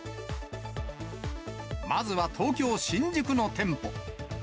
まずは東京・新宿の店舗。